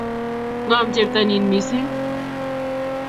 Ngom chepto nin mising